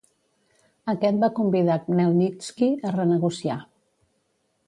Aquest va convidar Khmelnitski a renegociar.